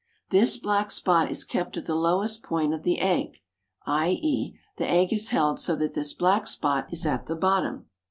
This black spot is kept at the lowest point of the egg, i.e., the egg is held so that this black spot is at the bottom.